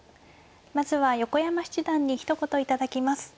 まずは横山七段にひと言頂きます。